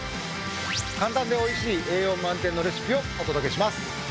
簡単でおいしい栄養満点のレシピをお届けします。